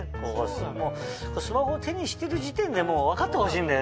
スマホを手にしてる時点でもう分かってほしいんだよね。